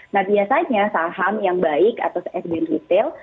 nah biasanya saham yang baik atau sdn retail